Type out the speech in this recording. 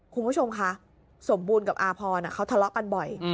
คุณผู้ชมคะสมบูรณ์กับอาพรเขาทะเลาะกันบ่อย